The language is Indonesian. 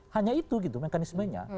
hanya itu gitu mekanismenya